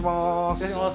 失礼します。